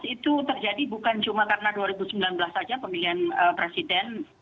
dua ribu sembilan belas itu terjadi bukan cuma karena dua ribu sembilan belas saja pemilihan presiden